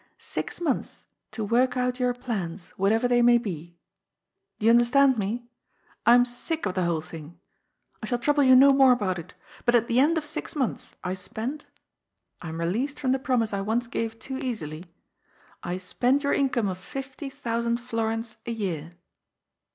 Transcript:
Six months to work out your plans, whatever they may be. Do you understand me ? I am sick of the whole thing. I shall trouble you no more about it. But at the end of six months I spend — I am released from the promise I once gave too easily — I spend your income of fifty thousand florins a year."